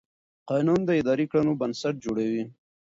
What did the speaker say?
قانون د ادارې د کړنو بنسټ جوړوي.